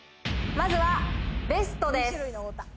まずはベストです。